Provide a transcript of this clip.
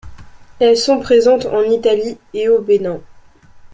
Elles sont présentes en Italie, et au Bénin.